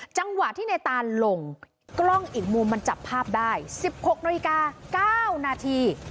จังหวะที่ในตานลงกล้องอีกมุมมันจับภาพได้๑๖นาฬิกา๙นาที